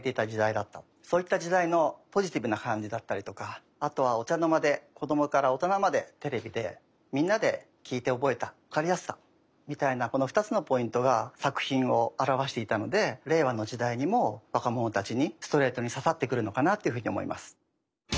そういった時代のポジティブな感じだったりとかあとはお茶の間で子どもから大人までテレビでみんなで聴いて覚えた分かりやすさみたいなこの２つのポイントが作品を表していたので令和の時代にも若者たちにストレートに刺さってくるのかなっていうふうに思います。